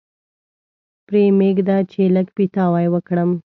پرې مېږده چې لږ پیتاوی وکړم.